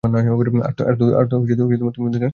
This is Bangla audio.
আর তুমি তাকেও মেরে ফেললে, শালা!